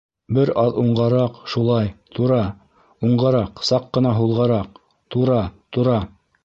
Бер аҙ уңғараҡ.. шулай... тура, уңғараҡ, саҡ ҡына һулғараҡ... тура... тура!